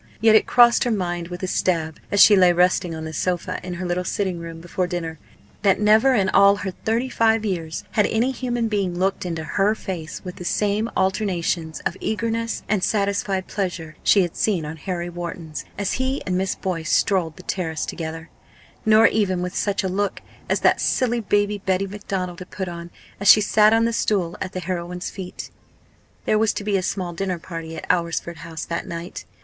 Yet it crossed her mind with a stab, as she lay resting on the sofa in her little sitting room before dinner, that never in all her thirty five years had any human being looked into her face with the same alternations of eagerness and satisfied pleasure she had seen on Harry Wharton's, as he and Miss Boyce strolled the terrace together nor even with such a look as that silly baby Betty Macdonald had put on, as she sat on the stool at the heroine's feet. There was to be a small dinner party at Alresford House that night.